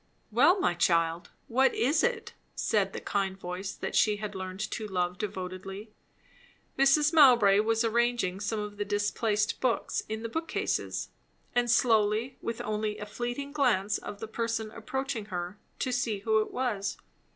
"Well, my child what is it?" said the kind voice she had learned to love devotedly. Mrs. Mowbray was arranging some of the displaced books in the bookcases, and spoke with only a fleeting glance at the person approaching her, to see who it was.